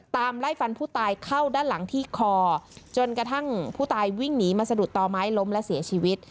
ไล่ฟันผู้ตายเข้าด้านหลังที่คอจนกระทั่งผู้ตายวิ่งหนีมาสะดุดต่อไม้ล้มและเสียชีวิต